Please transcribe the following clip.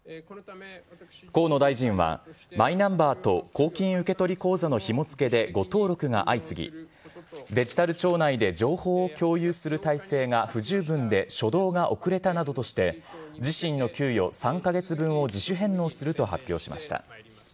河野大臣はマイナンバーと公金受取口座のひも付けで誤登録が相次ぎ、デジタル庁内で情報を共有する体制が不十分で初動が遅れたなどとして、自身の給与３か月分を自主返納すると発表しました。